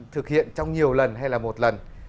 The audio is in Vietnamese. thực hiện trong nhiều lần hay là một lần